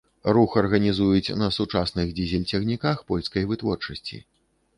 Рух арганізуюць на сучасных дызель-цягніках польскай вытворчасці.